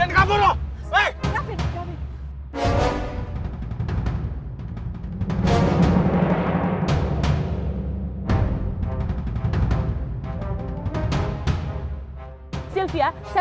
kalian mau ke mana